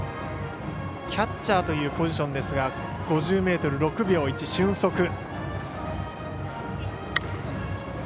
キャッチャーというポジションですが５０ｍ、６秒１、俊足。